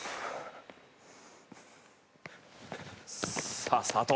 さあスタート。